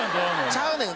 ちゃうねん。